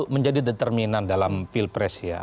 menjadi determinan dalam field pres ya